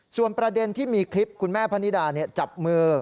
ส่วนประเด็นที่มีคลิปคุณแม่พนิดาจับมือ